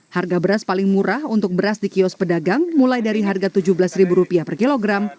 harga beras paling murah untuk beras di kios pedagang mulai dari harga rp tujuh belas per kilogram